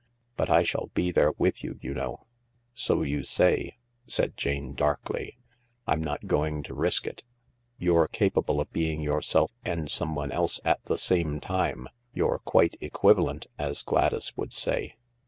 " But I shall be there with you, you know." " So you say," said Jane darkly. " I'm not going to risk it. You're capable of being yourself and someone else at the same time. You're quite equivalent, as Gladys would say.